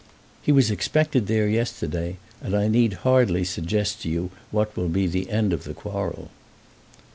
"He was expected there yesterday, and I need hardly suggest to you what will be the end of the quarrel."